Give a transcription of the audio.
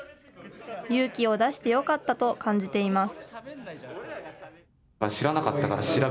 勇気を出してよかったと感じています。